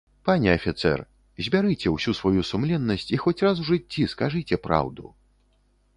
Пане афіцэр, збярыце ўсю сваю сумленнасць і хоць раз у жыцці скажыце праўду.